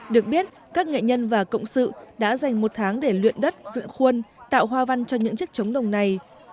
được biết các nghệ nhân và cộng sự đã dành một tháng để luyện đất dựng khuôn tạo hoa văn cho những chiếc trống đồng này